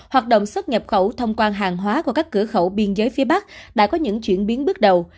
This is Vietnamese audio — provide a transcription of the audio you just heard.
hoạt động xuất nhập khẩu thông quan hàng hóa qua các cửa khẩu biên giới phía bắc đã có những chuyển biến bước đầu